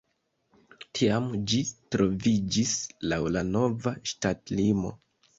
Tiam ĝi troviĝis laŭ la nova ŝtatlimo.